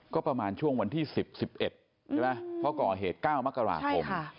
ก็ประมาณช่วงวันที่๑๐๑๑ใช่ไหมเพราะก่อเหตุ๙มกราคม